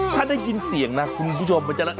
ถ้าได้ยินเสียงนะคุณผู้ชม